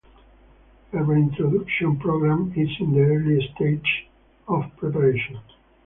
A reintroduction program is in the early stages of preparation.